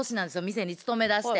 店に勤めだして。